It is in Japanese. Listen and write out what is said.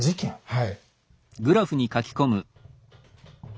はい。